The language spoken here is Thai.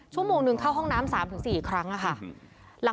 ชั่วโมงหนึ่งเข้าห้องน้ำ๓๔ครั้งค่ะ